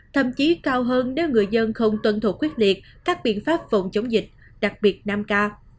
thậm chí cao hơn nếu người dân không tuân thủ quyết liệt các biện pháp phòng chống dịch đặc biệt nam ca